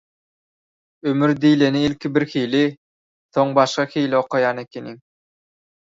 «Ömür» diýleni ilki birhili, soň başga hili okaýan ekeniň.